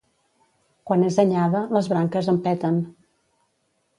Quan és anyada, les branques en peten.